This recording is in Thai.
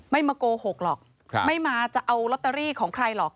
ไม่มาโกหกหรอกไม่มาจะเอาลอตเตอรี่ของใครหรอก